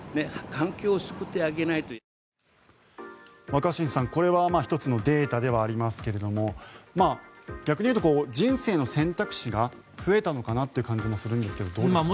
若新さん、これは１つのデータではありますけれども逆に言うと人生の選択肢が増えたのかなという感じもするんですがどうでしょうか。